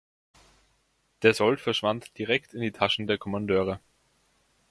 Der Sold verschwand direkt in die Taschen der Kommandeure.